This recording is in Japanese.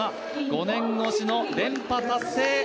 ５年越しの連覇達成！